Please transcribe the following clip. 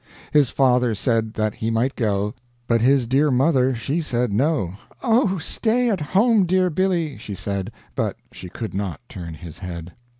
His father said that he might go, But his dear mother she said no, "Oh! stay at home, dear Billy," she said, But she could not turn his head.